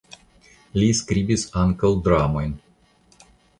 Li skribis ankaŭ dramojn.